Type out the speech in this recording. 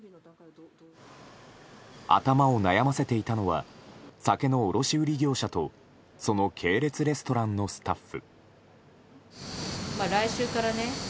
頭を悩ませていたのは酒の卸売業者とその系列レストランのスタッフ。